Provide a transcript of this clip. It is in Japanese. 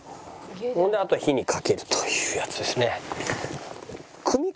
それであとは火にかけるというやつですね。